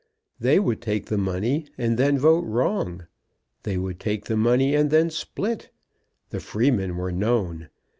They would take the money and then vote wrong. They would take the money and then split. The freemen were known.